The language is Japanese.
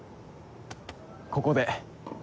ここで。